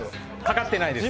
かかってないです。